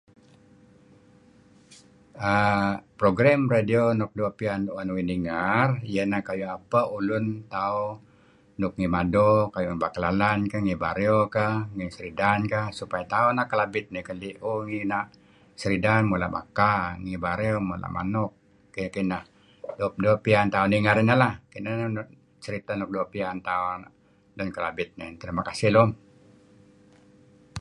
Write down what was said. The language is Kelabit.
Aaa... program radio nuk doo' pian tu'en uih ninger... ieh ineh kayu' apeh ulun tauh nuk ngih mado kayu' ngih Baa' Kelalan kah, ngih Bario kah, ngih Seridan kah, supaya tauh anak Kelabit nih keli'o ngih na' Seridan mula' baka. ngih Bario mula' manuk, kineh-kineh. Doo' pian tauh ninger ineh lah. Kineh neh seriteh nuk doo' pian tauh lun Kelabit nih. Terima kasih lum.